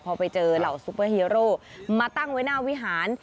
พอไปเจอเหล่าซุปเปอร์ฮีโร่มาตั้งไว้หน้าวิหาร